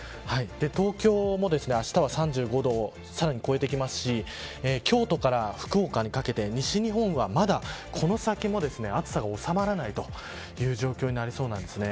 東京もあしたは３５度をさらに超えてきますし京都から福岡にかけて西日本は、まだ、この先も暑さが収まらないという状況になりそうなんです。